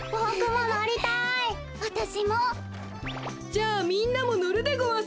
じゃあみんなものるでごわす。